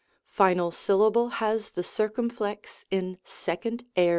Final syllable has the circumflex in 2d Aor.